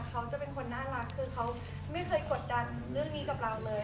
เขาจะเป็นคนน่ารักคือเขาไม่เคยกดดันเรื่องนี้กับเราเลย